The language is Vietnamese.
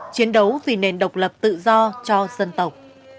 chiến đấu vì nền độc lập tự do cho dân tộc